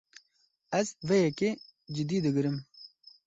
Ez vê yekê cidî digirim.